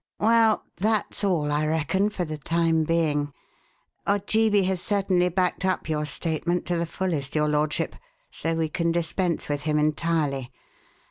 "Well, that's all, I reckon, for the time being. Ojeebi has certainly backed up your statement to the fullest, your lordship, so we can dispense with him entirely.